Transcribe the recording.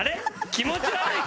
気持ち悪い人」